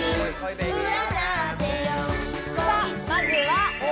まずは。